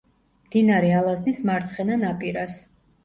მდინარე ალაზნის მარცხენა ნაპირას.